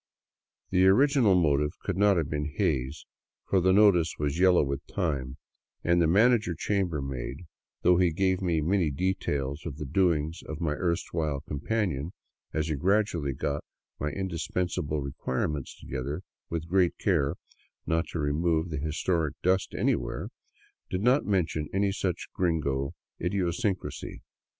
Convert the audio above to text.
The original motive could not have been Hays; for the notice was yellow with time, and the manager chambermaid, though he gave me many details of the doings of my erstwhile companion as he grad ually got my indispensable requirements together, with great care not to remove the historic dust anywhere, did not mention any such gringo idiosyncrasy.